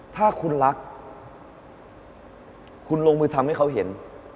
ถ้าคุณรักคุณลงมือทำให้เขาเห็น